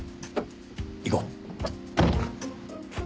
行こう。